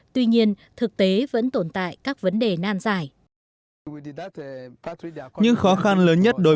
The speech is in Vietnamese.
tuy nhiên thực tế vẫn tồn tại các vấn đề nan giải